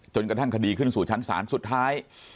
กระทั่งคดีขึ้นสู่ชั้นศาลสุดท้าย